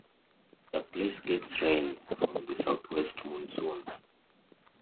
The place gets rain from the South West Monsoon.